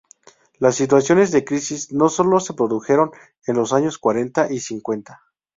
Las situaciones de crisis no sólo se produjeron en los años cuarenta y cincuenta.